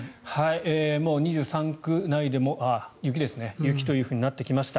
もう２３区内でも雪というふうになってきました。